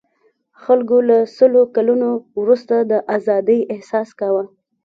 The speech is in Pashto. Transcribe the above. خلکو له سلو کلنو وروسته د آزادۍاحساس کاوه.